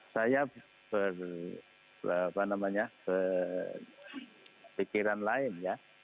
saya berpikiran lain ya